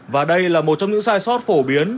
và đây là một trong những sai sót phổ biến